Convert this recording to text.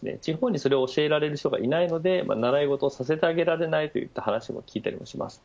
地方にそれを教えられる人がいないので、習い事をさせてあげられないといった話も聞いたりします。